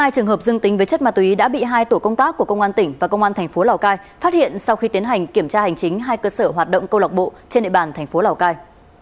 một mươi hai trường hợp dương tính với chất ma túy đã bị hai tổ công tác của công an tỉnh và công an tp lào cai phát hiện sau khi tiến hành kiểm tra hành chính hai cơ sở hoạt động câu lọc bộ trên địa bàn tp lào cai